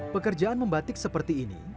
pekerjaan membatik seperti ini